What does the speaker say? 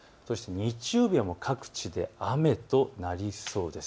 日曜日は各地で雨となりそうです。